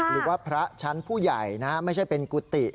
หรือว่าพระชั้นผู้ใหญ่นะไม่ใช่เป็นกุฏิ